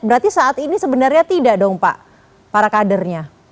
berarti saat ini sebenarnya tidak dong pak para kadernya